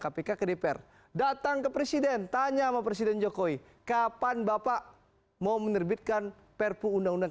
kpk ke dpr datang ke presiden tanya sama presiden jokowi kapan bapak mau menerbitkan perpu undang undang